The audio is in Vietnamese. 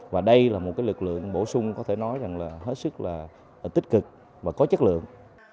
và đây là một lực lượng bổ sung có thể nói rằng là hết sức là tích cực và có chất lượng